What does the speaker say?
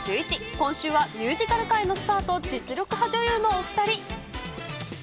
今週はミュージカル界のスターと実力派女優のお２人。